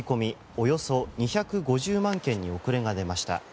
およそ２５０万件に遅れが出ました。